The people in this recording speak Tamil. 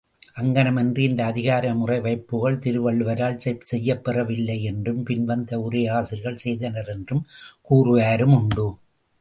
அங்ஙணமின்றி இந்த அதிகார முறைவைப்புகள் திருவள்ளுவரால் செய்யப்பெறவில்லையென்றும் பின் வந்த உரையாசிரியர்கள் செய்தனரென்றும் கூறுவாரும் உண்டு.